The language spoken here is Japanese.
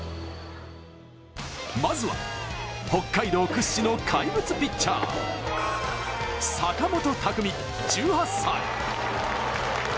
まずは、北海道屈指の怪物ピッチャー・坂本拓己、１８歳。